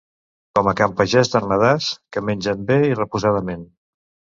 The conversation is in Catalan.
Com a can Pagès d'Ermedàs, que mengen bé i reposadament.